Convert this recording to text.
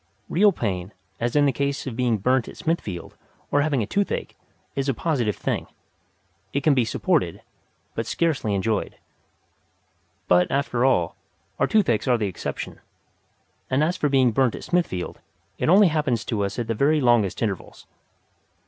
Real pain, as in the case of being burnt at Smithfield or having a toothache, is a positive thing; it can be supported, but scarcely enjoyed. But, after all, our toothaches are the exception, and as for being burnt at Smithfield, it only happens to us at the very longest intervals.